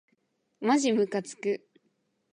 まじむかつく